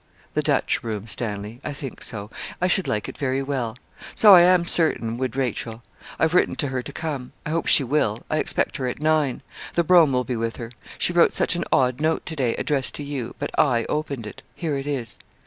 'The Dutch room, Stanley I think so I should like it very well. So, I am certain, would Rachel. I've written to her to come. I hope she will. I expect her at nine. The brougham will be with her. She wrote such an odd note to day, addressed to you; but I opened it. Here it is.'